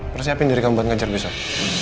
persiapin diri kamu buat ngajar besok